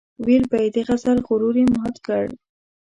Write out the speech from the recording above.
ويل به يې د غزل غرور یې مات کړ.